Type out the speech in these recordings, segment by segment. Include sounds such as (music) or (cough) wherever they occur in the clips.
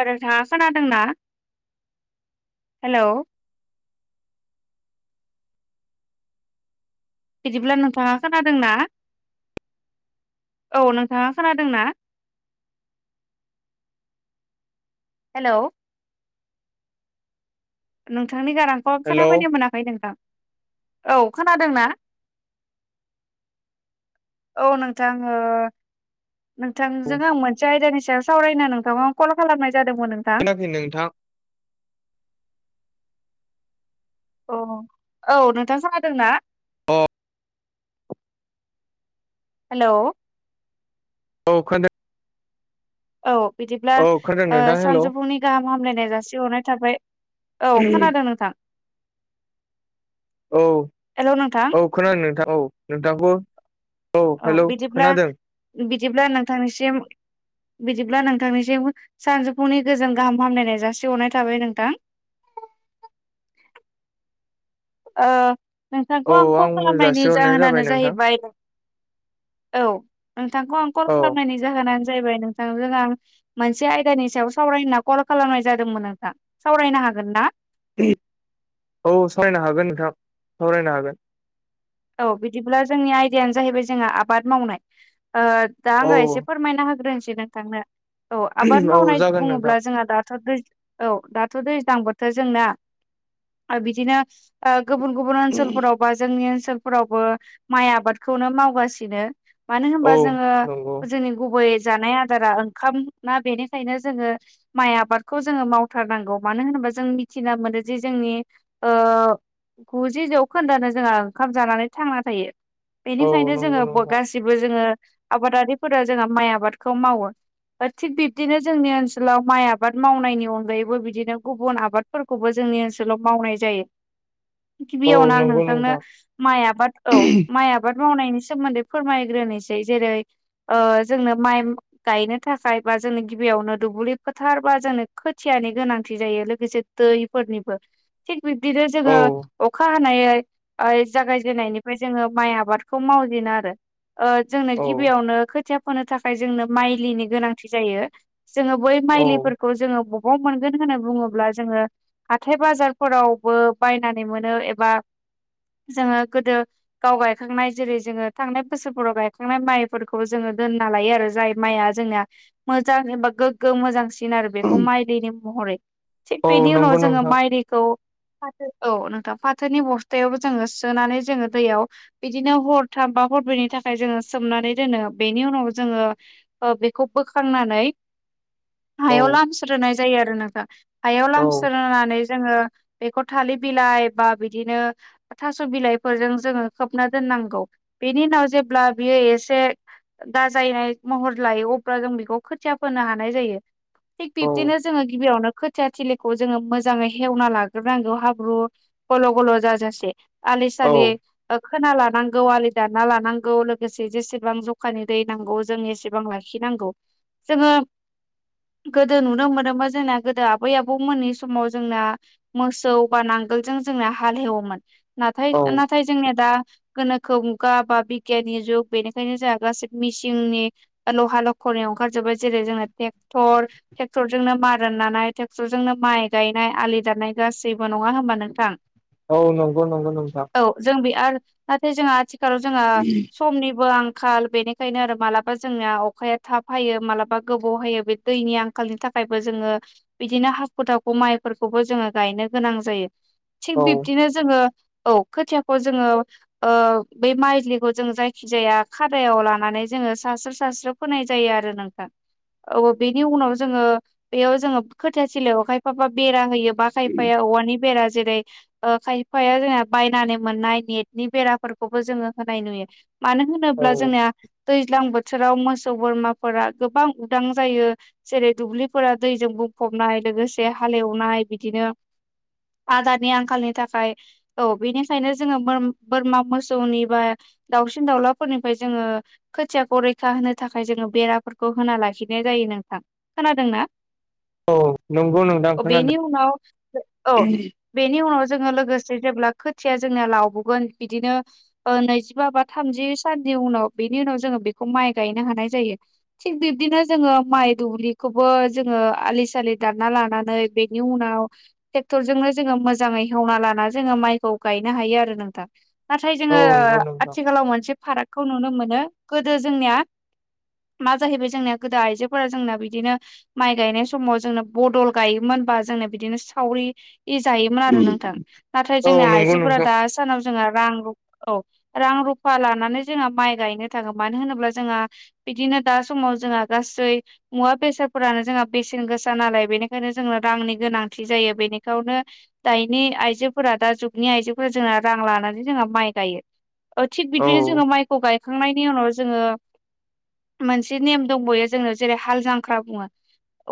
ओ नोंथाङा खोनादोंना? हेलौ बिदिब्ला नोंथाङा खोनादोंना? औ नोंथाङा खोनादों ना? हेलौ नोंथांनि गारांखौ हेलौ खोनाफैनो मोनाखै नोंथां औ खोनादों ना? औ नोंथां नोंथांजों आं मोनसे आयदानि सायाव सावरायनो नों नोंथा कल खालामनाय जादोंमोन नोंथां खोनायाखै नोंथां अ औ नोंथां खोदोंना अ हेल' औ खोनादों औ बिदिब्ला औ खोनादों नोंथां हेलौ सानजौफुंनि गाहाम हामलायनाय जासिहरनाय थाबाय औ खोनादों नोंथां। औ हेलौ नोंथां औ खोनादों नोंथां औ नोंथांखौ औ हेलौ बिदिब्ला खोनादों बिदिब्ला नोंथांनिसिम बिदिब्ला नोंथांनि जे सानजौफुनि गोजोन गाहाम फामलायनाय जासि हरनाय थाबाय नोंथां। (inaudible) ओ नोंथांखौ औ आं कल खालामनायनि जासिहरनाय जाबाय जाहोनानो नोंथां जाहैबाय औ नोंथांखौ आं कल औ खालामनायनि जाहोना नो हैबाय नोंथां जोंहा मोनसे आयदानि सायाव सावरायना कल खालामनाय जादोंमोन नोंथां सावरायनो हा हागोना? औ सावरायनो हागोन नोंथां सावरायनो हागोन। औ बिदिब्ला जोंनि आयदायानो जाहैबाय जोंहा आबाद मावनाय ओ दा औ आङो एसे फोरमायना होग्रोनोसै नोंथांनो। औ आबाद औ मावनाय जागोन बुङोब्ला नोंथां जोंहा दाथ' दै औ दाथ' थ' दैज्लां बोथोर जोंना बिदिनो गुबुन गुबुन ओनसोलफोराव बा जोंनि ओनसोलफोरावबो माइ आबादखौनो मावगासिनो मानो औ होनबा जोङो नंगौ जोंनि गुबै जानाय आदारा ओंखाम ना बेनिखायनो जोङो माइ आबादखौ जोङो मावथारनांगौ मानो होनो जों मिथिना मोनोदि जोंनि गुजि जौखोन्दोयानो जोंहा ओंखाम जानानै थांना थायो औ बेनिखायनो नंगौ जोङो ब नोंथां गासिबो जोङो आबादारिफोरा जोंहा माइ आबादखौ मावो। बाद थिग बिब्दिनो जोंनि ओनसोलाव माइ आबाद मावनायनि अनगायैबो बिदिनो गुबुन आबादफोरखौबो जों जोंनि ओनसोलाव मावनाय जायो औ गिबियावनो आं नंगौ नोंथांनो नोंथां माइ आबाद औ माइ आबाद मावनायनि सोमोन्दै फोरमायग्रोनोसै ओ जेरै जोंनो माइ गायनो थाखाय बा जोंनो गिबियावनो दुब्लि फोथार बा जोंनो खोथियानि गोनांथि जायो लोगोसे दैफोरनिबो थिग बिदिनो औ जोङो अखा हानाय आइस जागायजेननायनिफ्राय जोङो माइ आबादखौ मावजेनो आरो ओ जोंनो औ गिबियावनो खो खोथिया फोनो थाखाय जोंनो माइलिनि गोनांथि जायो जोङो बै औ माइलिफोरखौ जोङो ब बहा मोनगोन होनना बुङोब्ला जोङो हाथाइ बाजारफोरावबो बायनानै मोनो एबा जोङो गोदो गाव गायखांनाय जेरै जोङो थांनाय बोसोरफोराव गायखांनाय माइफोरखौ जोङो दो ना लायो आरो जाय माइया जोंनिया मोजां एबा गोग्गो मोजां सि आरो बेखौ माइलिनि महरै थिग औ बेनि उनाव नंगौ जोङो नोंथां माइलिखौ फाथो औ नोंथां फाथोनि बस्थायावबो जोङो सोनानै जोङो दैयाव बिदिनो हरथाम बा हरब्रैनि थाखाय जोङो सोमनानै दोनो बेनि उनाव जोङो ओ बेखौ बोखांनानै औ हायाव लामस्रोनाय जायो आरो नोंथां हायाव औ लामस्रोनानै जोङो बेखौ थालिर बिलाइ बा बिदिनो थास' बिलाइफोरजों जोङो खोबना दोननांगौ बेनि उनाव जेब्ला बियो एसे दाजायनाय महर लायो अब्ला जों बेखौ खोथिया फोनो हानाय जायो। थिग औ बिब्दिनो जोङो गिबियावनो खोथिया थिलिखौ जोङो मोजाङै हेवना लाग्रोनांगौ हाब्रु गल' गल' जाजासे। आलि औ सालि ओ खोना लानांगौ आलि दानना लानांगौ लोगोसे जेसेबां जखानि दै नांगौ जों एसेबां लाखिनो नांगौ जोङो गोदो नुनो मोनोमो जोंना गोदो आबै आबौमोननि समाव जोंना मोसौ बा नां नांगोलजों जोंनिया हाल हेवोमोन नाथाय औ नाथाय जोंनिया दा गोनोखो मुगा बा बिगियाननि जुग बेनिखायनो जोंहा गासै मिसिंनि लहा लख' ओंखार जोबबाय जेरै जोंना टेक्टर टेक्टर जोंनो मारा नानाय टेक्टर जोंनो माइ गायनाय आलि दाननाय गासिबो नङा होमबा नोंथां? औ नंगौ नंगौ नोंथां। औ जों बे आरो नाथाय जों आथिखालाव जोङा समनिबो आं खाल बेनिखायनो आरो मालाबा जोंनिया अखाया थाब हायो मालाबा गोबाव हायो बे दैनि आंखालनि थाखाय थाखायबो जोङो बिदिनो हाखु दाखु माइफोरखौबो जोङो गायनो गोनां जायो। औ थिग बिब्दिनो जोङो औ खोथियाखौ जोङो ओ बे माइलिखौ जों जायखि जाया खादायाव लानानै जोङो सास्रो सास्रो फोनाय जायो आरो नोंथां औ बेनि उनाव जोङो बेयाव जोङो खोथिया थिलियाव खायफाबा बेरा होयो। बा खायफाया औवानि बेरा जेरै ओ खायफाया जोङा बायनानै मोननाय नेटनि बेराफोरखौबो जोङो होनाय नुयो। मानो औ होनोब्ला जोंनिया दैज्लां बोथोराव मोसौ बोरमाफोरा गोबां उदां जायो जेरै दुब्लिफोरा दैजों बुंफ बुंफबनाय लोगोसे हालेवनाय बिदिनो आदारनि आंखालनि थाखाय औ बेनिखायनो जोङो मोन बोरमा मोसौनि बा दाउसिन दाउलाफोरनिफ्राय जोङो खोथियाखौ रैखा होनो थाखाय जोङो बेराफोरखौ होना लाखिनाय जायो नोंथां। खोनादोंना? औ नंगौ नोंथां बेनि खोनादों उनाव औ बेनि उनाव जोङो लोगोसे जेब्ला खोथिया जोंना लावबोगोन बिदिनो ओ नैजिबा बा थामजि साननि उनाव बिनि उनाव जोङो बेखौ माइ गायनो हानाय जायो। थिग बिब्दिनो जोङो माइ दुब्लिखौबो जोङो आलि सालि दानना लानानै बेनि उनाव ट्रेक्टर जोंनो जोङो मोजाङै एवना लाना जोङो माइखौ गायनो हायो आरो नोंथां। नाथाय जोङो औ नंगौ नोंथां आथिखालाव मोनसे फाराग खौ नुनो मोनो गोदो जोंनिया मा जाहैबाय जोंनिया गोदो आइजोफोरा जोंना बिदिनो माइ गायनाय समाव जोंनो बदल गायोमो होनबा जोंना बिदिनो सावरि इ जायोमोन आरो नोंथां नाथाय औ जोंना नंगौ आइजोफोरा नोंथां दा सानाव जोंहा रां रुफ औ रां रुफा लानानै जोंहा माइ गायनो थाङो मानो होनोब्ला जोंहा बिदिनो दा समाव जोंहा गासै मुवा बेसादफोरानो जोंहा बेसेन गोसा नालाय बेनिखायनो जोंनो रांनि गोनांथि जायो बेनिखावनो दायनि आइजो फोरा दा जुगनि आइजोफोरा जोंहा रां लानानै जोंहा माइ गायो। ओ थिग औ बिदिनो जोंहा माइखौ गाय खांनायनि उनाव जोङो मोनसे नेम दंबयो जोंनो जेरै हालजांख्रा बुङो।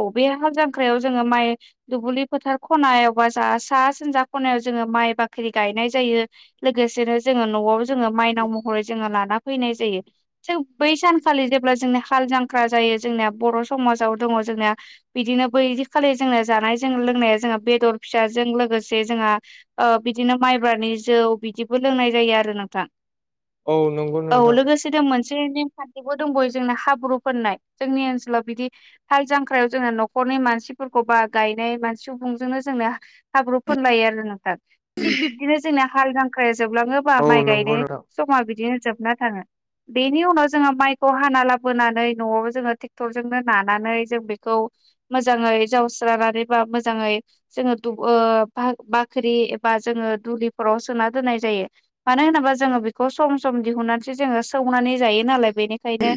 औ बे हालजांख्रायाव जोङो माइ दुबुलि फोथार खनायाव बा जा सा सानजा खनायाव जोङो माइ बाख्रि गायनाय जायो लोगोसेनो जोङो न'आव जोङो माइनाव महरै जोङो लाना फैनाय नाय जायो बै सानखालि जेब्ला जोंनिया हाल जांख्रा जायो जोंनिया बर' समाजाव दङ' जोंना ना बिदिनो बै दिखालि जोंना जानाय जों लोंनाया जोंहा बेदर फिसाजों लोगोसे जोंहा ओ बिदिनो माइब्रानि जौ बिदिबो लोंनाय जायो आरो नोंथां। औ नंगौ औ नोंथां। लोगोसेनो मोनसे नेमखान्थिबो दंबयो जोंना हाब्रु फोननाय। जोंनि ओनसोलाव बिदि हाल जांख्रायाव जोंना न'खर नि मानसिफोरखौ बा गायनाय मानसि सुबुंजोंनो जोंना हाब्रु फोनलायो आरो ना थिग बिब्दिनो जोंना हाल दांख्राया जोबलाङोबा औ माइ नंगौ गायनाय नोंथां समा बिदिनो जोब ना थाङो। बेनि उनाव जोङो माइखौ हाना लाबोनानै न'आव जोङो टेक्टरजोंनो नानानै जों बेखौ मोजाङै जावस्रानानै बा मोजाङै जोङो दुब ओ भाग बा ख्रि एबा जोङो दुलिफोराव सोना दोननाय जायो मानो होनोबा जोङो बेखौ सम सम दिहुननासो जोङो सौनानै जायो नालाय बेनिखायनो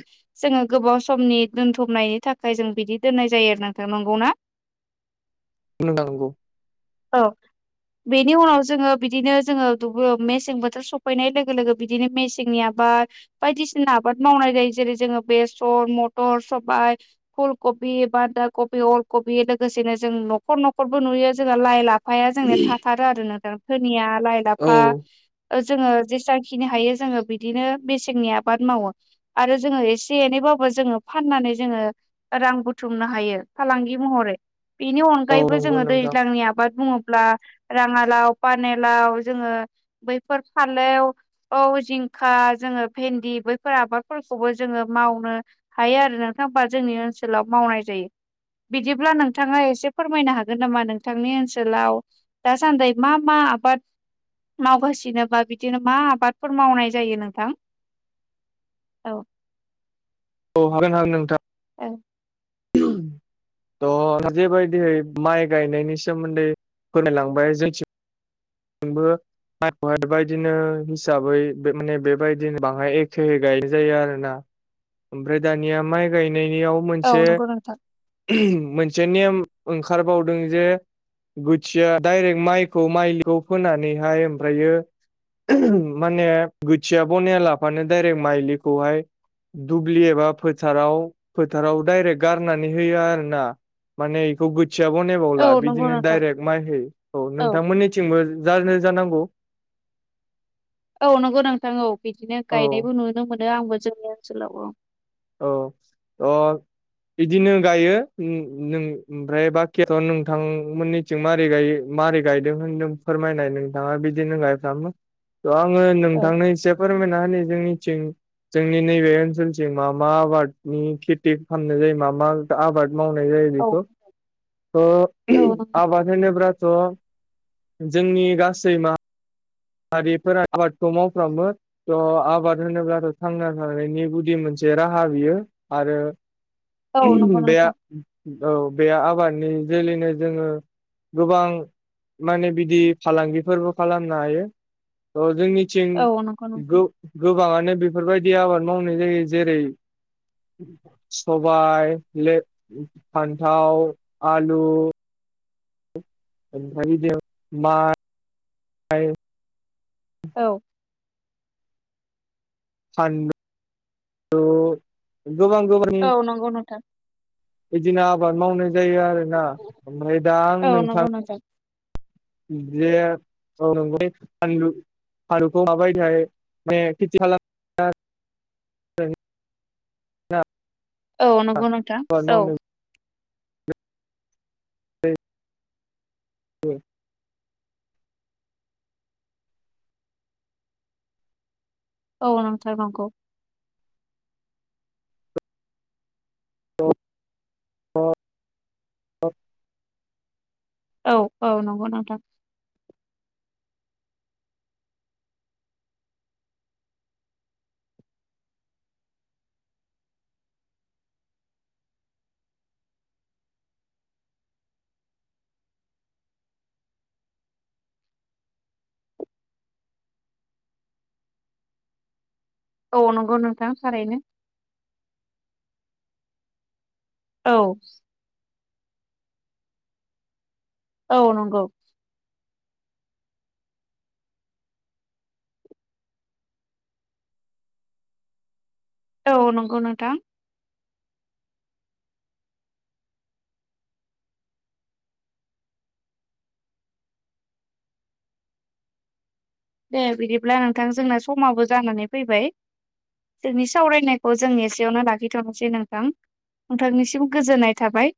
जोङो गोबाव समनि दोनथुमनायनि थाखाय जों बिदि दि दोननाय जायो आरो नोंथां। नंगौ ना? (inaudible) नंगौ औ बेनि उनाव जोङो बिदिनो जोङो दुबु मेसें बोथोर सफैनाय लोगो लोगो बिदिनो मेसेंनि आबा आ बायदिसिना आबाद मावनाय जायो जेरै जोङो बेसर, मथर, सबाय, फुल कबि बान्दा कबि अलकबि लोगोसेनो जों न'खर न'खरबो नुयो जोंहा लाइ लाफाया जोंनिया आरो ना दा सोरनिया लाइ औ लाफा जोङो जेसां खिनि हायो जोङो बिदिनो मेसेंनि आबाद मावो आरो जोङो एसे एनैबो खौबो जोङो फाननानै जोङो रां बुथुमनो हायो फालांगि महरै। बेनि औ अनगायैबो नंगौ जोङो नोंथां दैज्लांनि आबाद बुङोब्ला राङालाव फानिलाव जोङो बैफोर फालेव औ जिंखा जोङो ओ भेन्दि बैफोर आबादफोरखौबो जोङो मावनो हायो आरो नोंथां बा जोंनि ओनसोलाव मावनाय जायो बिदिब्ला नोंथाङा एसे फोरमायनो हागोन नामा नोंथांनि ओनसोलाव दासान्दै मा मा आबाद मावगासिनोबा बिदिनो मा आबादफोर मावनाय जायो नोंथां? औ औ हागोन हागोन नोंथा ओ थ' जेबायदिहै माइ गायनायनि सोमोन्दै फोरमायलांबाय जोंथि बो माइ बायदिनो हिसाबै माने बेबायदिनो बाङाय एखेे गायनाय जायो आरोना। ओमफ्राय दानिया माइ गायनायनियाव औ मोनसे नंगौ नोंथां मोनसे नेम ओंखारबावदों जे गुथिया डाइरेक्ट माइखौ माइखौ फोनानैहाय ओमफ्रायो माने गोथिया बनाया लाफानो डायरेक्ट माइलिखौहाय दुब्लि एबा फोथाराव फोथाराव डायरेक्ट गारनानै होयो आरोना। माने इखौ गोथिया औ बनायबावला नंगौ बिदिनो नोंथां डाइरेक्ट माइखौ औ नोंथां मोनिथिंबो गारदों जानांगौ औ नंगौ नोंथां औ बिदिनो औ गायनायबो नुनो मोनो आंबो जोंनि ओनसोलाव औ औ अ बिदिनो गायो ओमफ्राय बाखियाथ नोंथांमोननिथिं मारै गायो मारै गायदों होनदों फोरमायनाय नोंथाङा बिदिनो गायफ्रामो थ' आङो नोंथांनो एसे फोरमायना होनि जोंनिथिं जोंनि नैबे ओनसोलथिं मा मा आबादनि खेथि खालामनाय जायो मा मा आबाद मावनाय जायो औ बेखौ थ' औ नंगौ नोंथां आबाद होनोब्लाथ' जोंनि गासै मा हारिफोरा आबादखौ मावफ्रामो थ' आबाद होनोब्लाथ' थांना थानायनि गुदि मोनसे राहा बियो आरो औ नंगौ बे नोंथां औ बे आबाद नि जोलैनो जोङो गोबां माने बिदि फालांगिफोरबो खालामनो हायो जोंनिथिं औ नंगौ नोंथां गोबाङानो बे बेफोरबायदि आबाद मावनाय जायो जेरै सबाय फान्थाव आलु ओमफाय माइ औ फानलु गोबां गोबांनि औ नंगौ नोंथां बिदिनो आबाद मावनाय जायो आरोना ओमफ्राय दा आं औ नोंथां नंगौ (unintelligible) थारुनखौ माबायदिहाय माने खेथि खालामो औ नंगौ नोंथा आबाद औ मावनो औ औ नोंथां नंगौ अ अ अ औ औ नंगौ नोंथां औ नंगौ नोंथां थारैनो औ औ नंगौ औ नंगौ नोंथां दे बिदिब्ला नोंथां जोंना समाबो जानानै फैबाय जोंनि सावरायनायखौ जों एसेयावनो लाखिथ'नोसै नोंथां नोंथांनिसिम गोजोननाय थाबाय